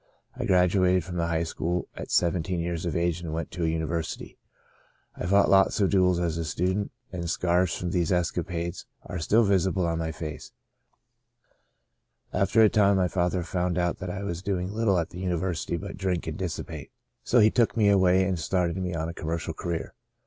I graduated from the high school at seventeen years of age and went to a university. I fought lots of duels as student, and scars from these escapades are still visible on my Saved to the Uttermost 187 face. After a time, my father found out that I was doing little at the university but drink and dissipate. So he took me away and started me on a commercial career.